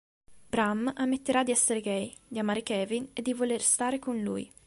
Bram, ammetterà di essere gay, di amare Kevin, e di voler stare con lui.